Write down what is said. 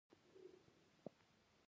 دښمن ستا د ماتېدو هڅه کوي